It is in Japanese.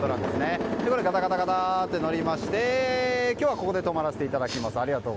ガタガタっと乗りまして今日はここで止まらせていただきます。